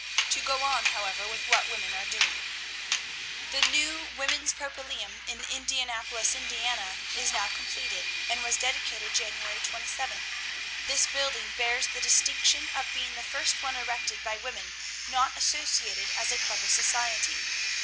To go on, however, with what women are doing. "The New Women's Propylæum, in Indianapolis, Indiana, is now completed, and was dedicated January 27. "This building bears the distinction of being the first one erected by women not associated as a club or society.